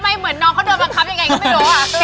ทำไมเหมือนน้องเขาโดนประคับยังไงก็ไม่รู้อ่ะ